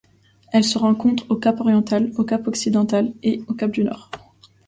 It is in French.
Elle se rencontre au Cap-Oriental, au Cap-Occidental et au Cap-du-Nord.